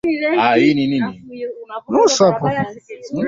kwanza ya kimataifa ili kushughulikia uchafuzi wa hewa katika eneo kubwa